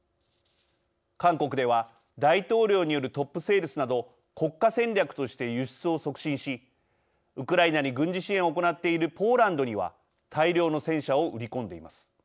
韓国では大統領によるトップセールスなど国家戦略として輸出を促進しウクライナに軍事支援を行っているポーランドには大量の戦車を売り込んでいます。